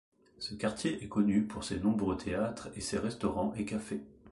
Ce quartier est connu pour ses nombreux théâtres et ses restaurants et cafés.